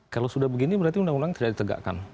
kalau sudah begini berarti undang undang tidak ditegakkan